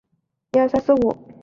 嘎达梅林人。